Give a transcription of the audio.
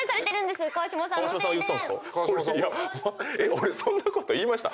俺そんなこと言いました？